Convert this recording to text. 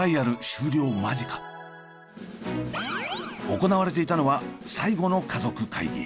行われていたのは最後の家族会議。